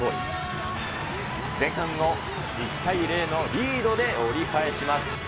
前半を１対０のリードで折り返します。